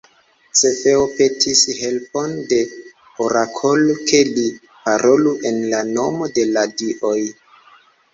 Cefeo petis helpon de orakolo, ke li parolu en la nomo de la dioj.